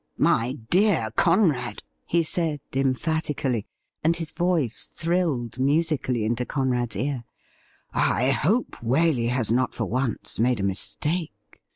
' My dear Conrad,' he said emphatically — and his voice thrilled musically into Conrad's ear —' I hope Waley has not for once made a mistake.